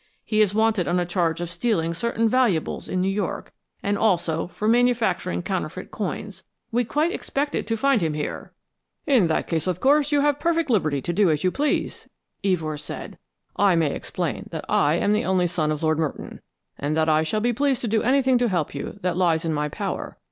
He is wanted on a charge of stealing certain valuables in New York, and also for manufacturing counterfeit coins. We quite expected to find him here." "In that case, of course, you have perfect liberty to do as you please," Evors said. "I may explain that I am the only son of Lord Merton, and that I shall be pleased to do anything to help you that lies in my power.